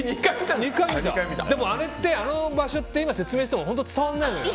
でもあれって、あの場所って今説明しても本当伝わらないのよ。